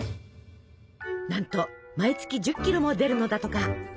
なんと毎月１０キロも出るのだとか。